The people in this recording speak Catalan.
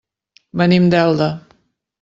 Venim d'Elda.